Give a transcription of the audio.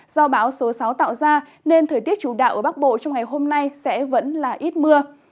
do bão số sáu tạo ra nên thời tiết chủ đạo ở bắc bộ trong ngày hôm nay sẽ vẫn là ít mưa